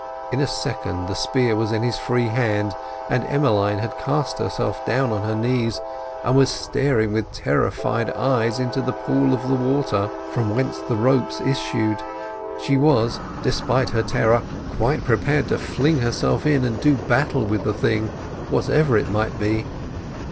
In a second the spear was in his free hand, and Emmeline had cast herself down on her knees, and was staring with terrified eyes into the water of the pool from whence the ropes issued. She was, despite her terror, quite prepared to fling herself in and do battle with the thing, whatever it might be.